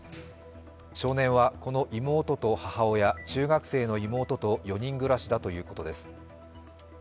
少年は、この妹と母親、中学生の妹と４人暮らしだということです。